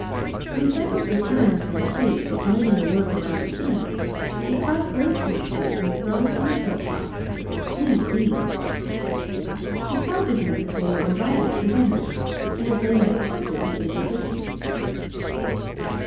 When Freckles returned from the tree to join in the work around the camp, he caught glimpses of her enthroned on a soapbox, cleaning beans. She called to him that they were invited for dinner, and that they had accepted the invitation.